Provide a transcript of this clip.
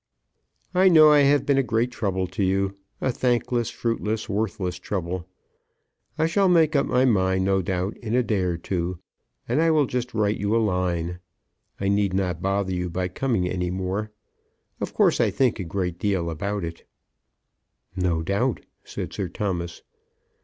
"I know I have been a great trouble to you, a thankless, fruitless, worthless trouble. I shall make up my mind, no doubt, in a day or two, and I will just write you a line. I need not bother you by coming any more. Of course I think a great deal about it." "No doubt," said Sir Thomas.